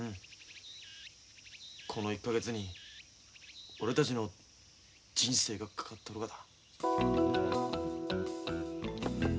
この１か月に俺たちの人生がかかっとるがだ。